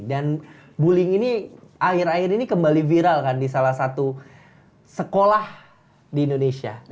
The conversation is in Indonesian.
dan bullying ini akhir akhir ini kembali viral kan di salah satu sekolah di indonesia